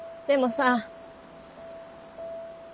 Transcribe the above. でもさ。